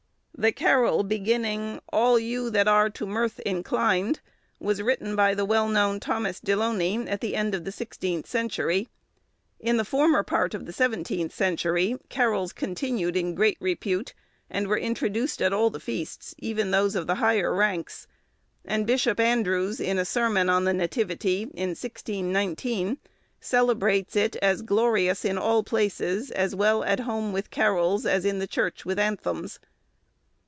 The carol, beginning, "All you that are to mirth inclined," was written by the well known Thomas Deloney, at the end of the sixteenth century. In the former part of the seventeenth century, carols continued in great repute, and were introduced at all the feasts, even those of the higher ranks; and Bishop Andrews, in a sermon on the Nativity, in 1619, celebrates it as glorious in all places, as well at home with carols, as in the church with anthems.